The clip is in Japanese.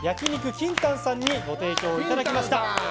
ＫＩＮＴＡＮさんにご提供いただきました。